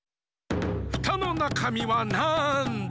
フタのなかみはなんだ？